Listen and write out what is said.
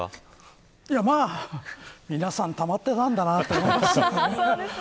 皆さんたまっていたんだなと思います。